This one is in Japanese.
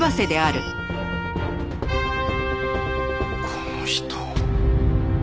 この人！